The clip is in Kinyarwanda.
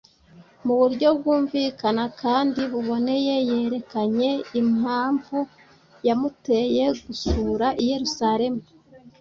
Mu buryo bwumvikana kandi buboneye yerekanye impamvu yamuteye gusura i Yerusalemu